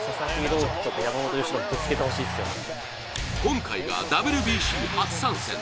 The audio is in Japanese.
今回がＷＢＣ初参戦。